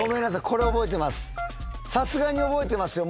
これは覚えてます。